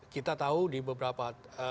kita tahu di beberapa